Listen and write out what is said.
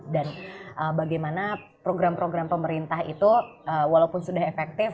dan bagaimana program program pemerintah itu walaupun sudah efektif